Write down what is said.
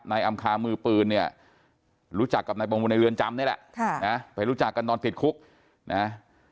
นายอำคะฆัตดิ์มือปืนเนี่ยรู้จักกับนายประมวลในเหลือนจำนี่แหละนะเพื่อนรู้จักเกิดตอนศิลป์ผลิกคุกนะฮะ